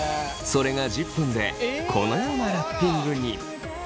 それが１０分でこのようなラッピングに。